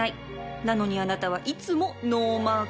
なのにあなたはいつもノーマーク